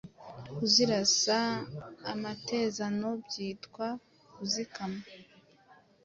Kuzirasa amatezano byitwa Kuzikama